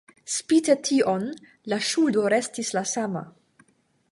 Spite tion, la ŝuldo restis la sama.